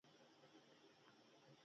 پر کرنې ولاړه ټولنه یې رامنځته کړه.